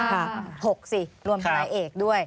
มีความรู้สึกว่ามีความรู้สึกว่า